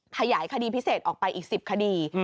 ขยายคดีพิเศษออกไปอีก๑๐คดี